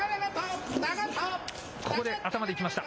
ここで、頭でいきました。